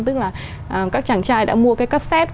tức là các chàng trai đã mua cái cassette